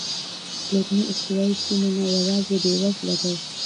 ګرمې استوایي سیمې نه یوازې بېوزله دي.